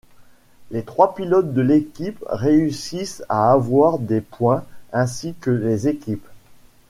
Les trois pilotes de l'équipe réussissent à avoir des points, ainsi que les équipes.